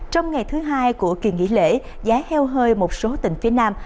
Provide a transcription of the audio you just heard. trong ngày thứ hai của kỳ nghỉ lễ giá heo hơi một số tỉnh phía nam